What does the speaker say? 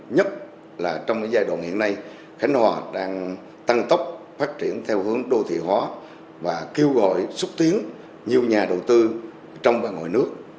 nhất là trong giai đoạn hiện nay khánh hòa đang tăng tốc phát triển theo hướng đô thị hóa và kêu gọi xúc tiến nhiều nhà đầu tư trong và ngoài nước